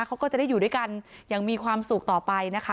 เขาก็จะได้อยู่ด้วยกันอย่างมีความสุขต่อไปนะคะ